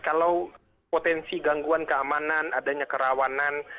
kalau potensi gangguan keamanan adanya kerawanan